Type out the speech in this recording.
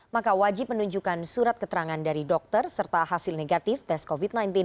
maka wajib menunjukkan surat keterangan dari dokter serta hasil negatif tes covid sembilan belas